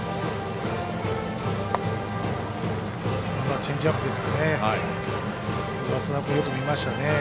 チェンジアップですかね。